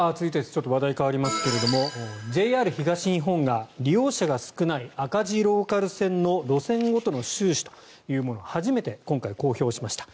ちょっと話題変わりますけれどもＪＲ東日本が利用者が少ない赤字ローカル線の路線ごとの収支というものを初めて今回、公表しました。